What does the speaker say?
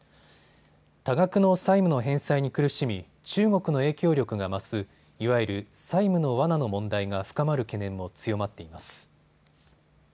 多額の債務の返済に苦しみ中国の影響力が増すいわゆる債務のわなの問題が深まる懸念も強まっています。